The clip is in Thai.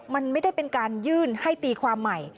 มันไม่ได้เป็นการยื่นให้ตีความใหม่